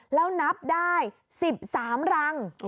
แล้วนับได้๑๓รัง